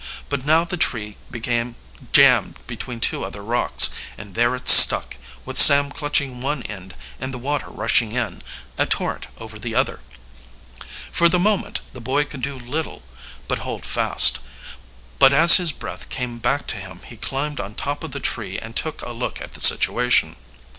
But now the tree became jammed between two other rocks, and there it stuck, with Sam clutching one end and the water rushing in, a torrent over the other. For the moment the boy could do little but hold fast, but as his breath came back to him he climbed on top of the tree and took a look at the situation.